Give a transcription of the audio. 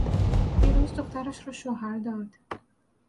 دیروز دخترش را شوهر داد.